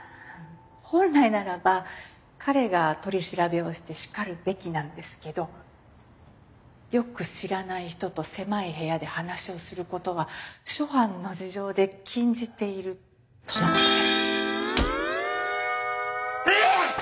本来ならば彼が取り調べをしてしかるべきなんですけどよく知らない人と狭い部屋で話をする事は諸般の事情で禁じているとの事です。